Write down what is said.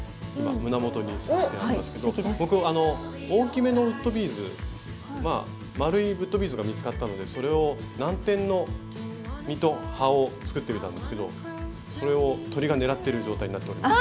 僕あの大きめのウッドビーズ丸いウッドビーズが見つかったのでそれをナンテンの実と葉を作ってみたんですけどそれを鳥が狙ってる状態になっております。